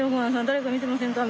誰か見てませんか？」